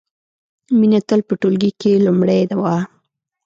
مینه تل په ټولګي کې لومړۍ وه